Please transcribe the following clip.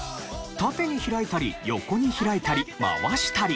縦に開いたり横に開いたり回したり。